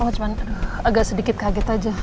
cuma agak sedikit kaget aja